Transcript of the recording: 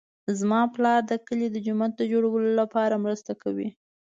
زما پلار د کلي د جومات د جوړولو لپاره مرسته کوي